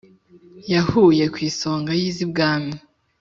Yahuruye ku isonga y'iz'ibwami